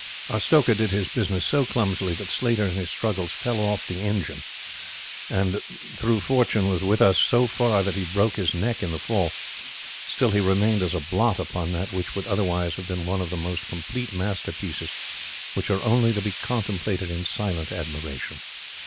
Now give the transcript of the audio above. Our stoker did his business so clumsily that Slater in his struggles fell off the engine, and though fortune was with us so far that he broke his neck in the fall, still he remained as a blot upon that which would otherwise have been one of those complete masterpieces which are only to be contemplated in silent admiration.